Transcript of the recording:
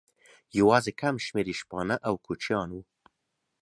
یواځې کم شمېر یې شپانه او کوچیان وو.